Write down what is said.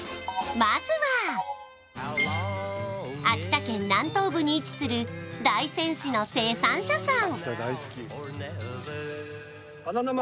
まずは秋田県南東部に位置する大仙市の生産者さん